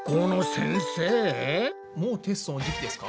もうテストの時期ですか？